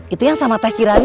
itu yang sama teh kirani